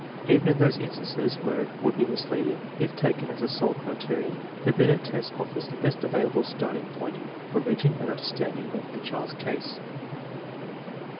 Even in those instances where it would be misleading, if taken as the sole criterion, the Binet test offers the best available starting point for reaching an understanding of the child's case.